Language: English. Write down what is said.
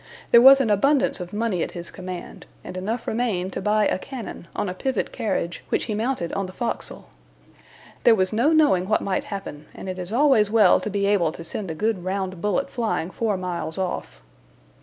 There was abundance of money at his command, and enough remained to buy a cannon, on a pivot carriage, which he mounted on the forecastle. There was no knowing what might happen, and it is always well to be able to send a good round bullet flying four miles off.